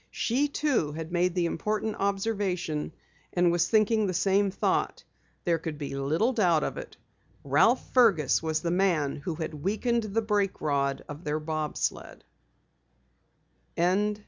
She, too, had made the important observation, and was thinking the same thought. There could be little doubt of it Ralph Fergus was the man who had weakened the brake rod of their bob sled!